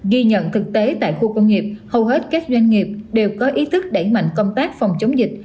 ghi nhận thực tế tại khu công nghiệp hầu hết các doanh nghiệp đều có ý thức đẩy mạnh công tác phòng chống dịch